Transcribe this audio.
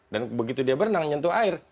dan begitu dia berenang nyentuh air